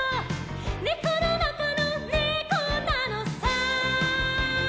「ねこのなかのねこなのさ」